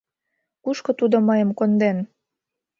«Кушко тудо мыйым конден?